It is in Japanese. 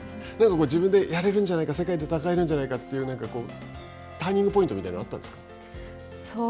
自分でやれるんじゃないか、世界で戦えるんじゃないかというターニングポイントみたいなのはあったんですか。